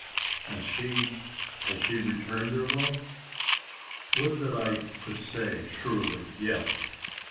"And she has she returned your love?" "Would that I could say surely yes!